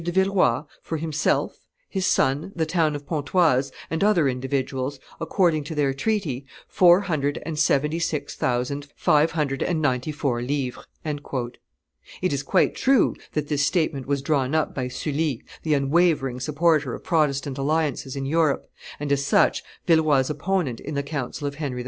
de Villeroi, for himself, his son, the town of Pontoise, and other individuals, according to their treaty, four hundred and seventy six thousand five hundred and ninety four livres." It is quite true that this statement was drawn up by Sully, the unwavering supporter of Protestant alliances in Europe, and, as such, Villeroi's opponent in the council of Henry IV.